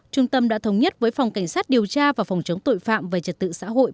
trung tâm đã thống nhất với phòng cảnh sát điều tra và phòng chống tội phạm về trật tự xã hội